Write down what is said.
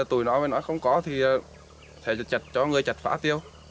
tụi nó nói không có thì phải chặt cho người chặt phá tiêu